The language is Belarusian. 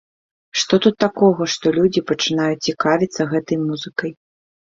Што тут такога, што людзі пачынаюць цікавіцца гэтай музыкай?